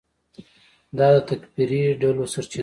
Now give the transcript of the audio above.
دا د تکفیري ډلو سرچینه ده.